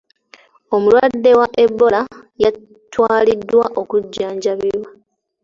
Omulwadde wa Ebola yatwaliddwa okujjanjabibwa.